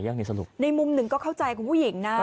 ในก็เข้าใจคุณผู้หญิงนะ